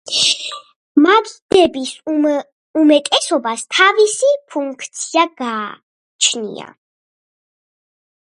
მაგიდების უმეტესობას თავისი ფუნქცია გააჩნია.